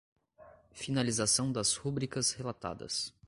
Finalização das rubricas relatadas